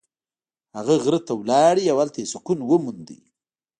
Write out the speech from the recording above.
هغه غره ته لاړ او هلته یې سکون وموند.